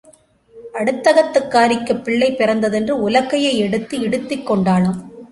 அடுத்தகத்துக்காரிக்குப் பிள்ளை பிறந்ததென்று உலக்கையை எடுத்து இடித்துக்கொண்டாளாம்.